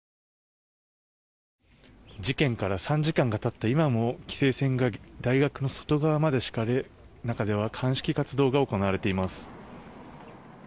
事件から３時間が経った今も規制線が大学の外側まで敷かれ中では鑑識活動が行われています。